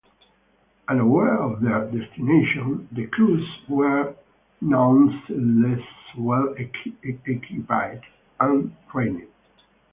Unaware of their destination, the crews were nonetheless well equipped and trained.